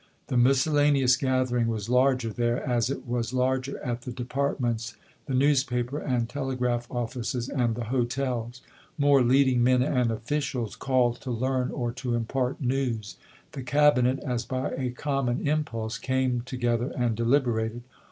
The miscellaneous gathering was larger there, as it was larger at the Departments, the newspaper and telegraph offices, and the hotels. More leading men and officials called to learn or to impart news. The Cabinet, as by a common impulse, came to gether and deliberated.